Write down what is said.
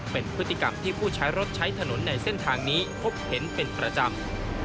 เป็นพฤติกรรมที่ผู้ใช้รถใช้ถนนในเส้นทางนี้พบเห็นเป็นประจำ